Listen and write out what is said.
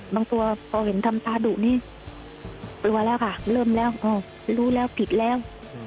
บางตัวพอเห็นทำตาดุนี้กลัวแล้วค่ะเริ่มแล้วรู้แล้วผิดแล้ว